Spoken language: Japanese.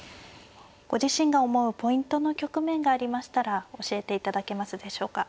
ご自身が思うポイントの局面がありましたら教えていただけますでしょうか。